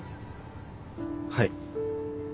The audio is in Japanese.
はい。